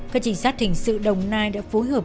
các trinh sát hình sự đồng nai đã phối hợp